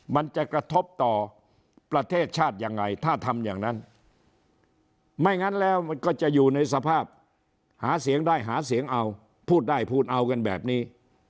มันจะกระทบต่อประเทศชาติยังไงถ้าทำอย่างนั้นไม่งั้นแล้วก็จะอยู่ในสภาพหาเสียงได้หาเสียงเอาพูดได้พูดเอากันแบบนี้